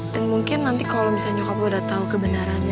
dan mungkin nanti kalau misalnya nyokap lo udah tau kebenarannya